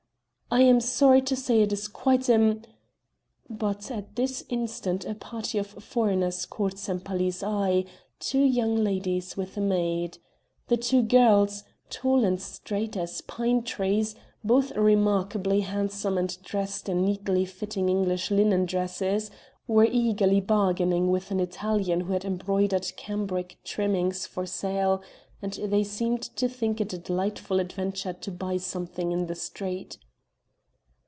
"I am sorry to say it is quite im " But at this instant a party of foreigners caught Sempaly's eye two young ladies with a maid. The two girls, tall and straight as pine trees, both remarkably handsome and dressed in neatly fitting English linen dresses, were eagerly bargaining with an Italian who had embroidered cambric trimmings for sale, and they seemed to think it a delightful adventure to buy something in the street.